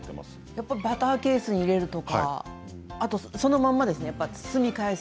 やっぱりバターケースに入れるとかあとは、そのままですね。